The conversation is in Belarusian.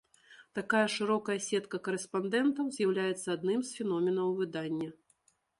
Такая шырокая сетка карэспандэнтаў з'яўляецца адным з феноменаў выдання.